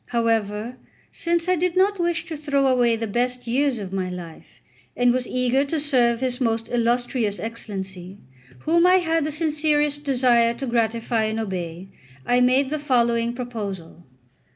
However, since I did not wish to throw away the best years of my life, and was eager to serve his most illustrious Excellency, whom I had the sincerest desire to gratify and obey, I made the following proposal.